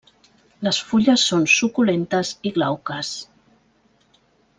Les fulles són suculentes i glauques.